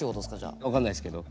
分かんないっすけど。